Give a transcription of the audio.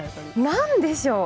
何でしょう？